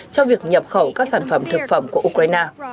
cho việc nhập khẩu các sản phẩm thực phẩm của ukraine